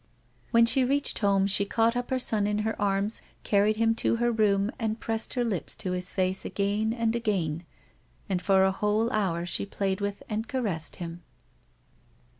When she reached home she caught up her son in her arms, carried him to her room and pressed her lips to his face again and again, and for a whole hour she played with and caressed him.